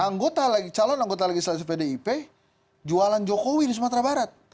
anggota lagi calon anggota lagi selesai pdip jualan jokowi di sumatera barat